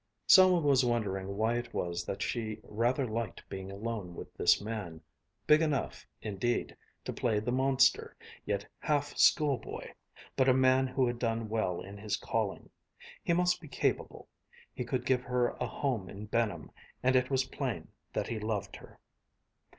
Selma was wondering why it was that she rather liked being alone with this man, big enough, indeed, to play the monster, yet half school boy, but a man who had done well in his calling. He must be capable; he could give her a home in Benham; and it was plain that he loved her.